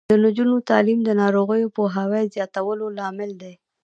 د نجونو تعلیم د ناروغیو پوهاوي زیاتولو لامل دی.